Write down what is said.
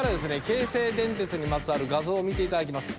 京成電鉄にまつわる画像を見て頂きます。